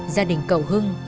gia đình cầu hưng